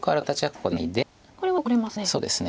そうですね。